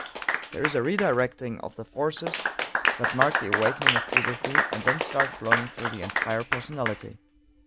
There is a redirecting of the forces that mark the awakening of puberty and then start flowing through the entire personality.